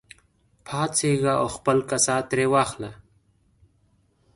پاڅېږه او خپل کسات ترې واخله.